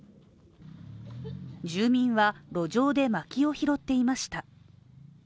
住民は路上で薪を拾っていました。